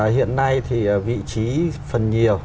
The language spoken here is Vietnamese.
hiện nay thì vị trí phần nhiều